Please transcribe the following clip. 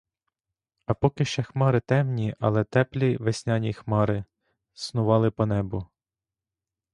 А поки ще хмари темні, — але теплі весняні хмари, — снували по небу.